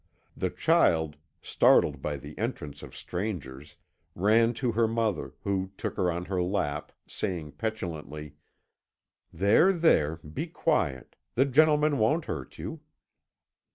The child, startled by the entrance of strangers, ran to her mother, who took her on her lap, saying petulantly, "There, there be quiet. The gentlemen won't hurt you."